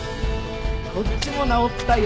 こっちも直ったよ。